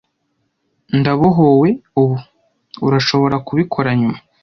Ndabohowe ubu. Urashobora kubikora nyuma?